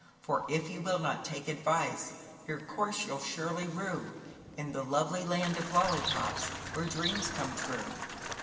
For if you will not take advice, Your course you'll surely rue, In the lovely land of Lollipops Where dreams come true.